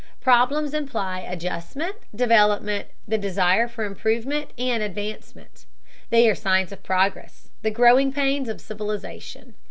Problems imply adjustment, development, the desire for improvement and advancement. They are signs of progress, the growing pains of civilization.